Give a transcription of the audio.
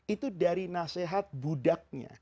itu dari nasehat budaknya